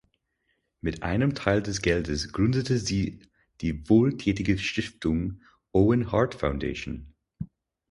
Mit einem Teil des Geldes gründete sie die wohltätige Stiftung „Owen Hart Foundation“.